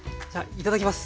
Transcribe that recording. いただきます。